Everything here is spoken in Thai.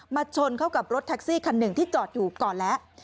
ชนเข้ากับรถแท็กซี่คันหนึ่งที่จอดอยู่ก่อนแล้ว